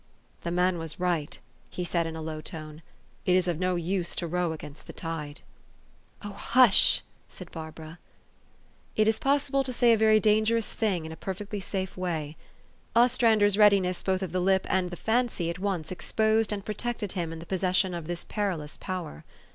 " The man was right," he said in a low tone :" it is of no use to row against the tide." THE STORY OF AVIS. 347 " Oh, hush !" said Barbara. It is possible to say a very dangerous thing in a perfectly safe way. Ostrander 's readiness both of the lip and of the fancy at once exposed and pro tected him in the possession of this perilous power.